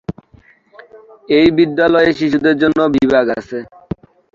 এই বিদ্যালয়ে শিশুদের জন্য বিভাগ আছে।